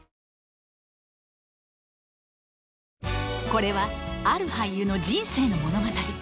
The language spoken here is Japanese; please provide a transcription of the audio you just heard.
これはある俳優の人生の物語